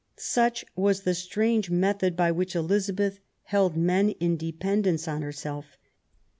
'* Such was the strange method by which Elizabeth held men in dependence on herself.